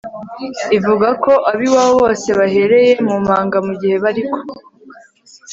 ivugako abiwabo bose bahereye mumanga……Mugihe bariko